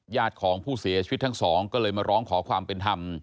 ญาติของผู้เสียชีวิตทั้งสองก็เลยมาร้องขอความเป็นธรรม